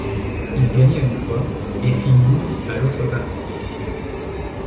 Il gagna une fois et fit nulle à l'autre partie.